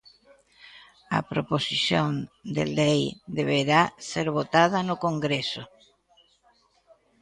A proposición de lei deberá ser votada no Congreso.